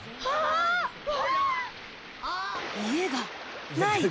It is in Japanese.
家が、ない！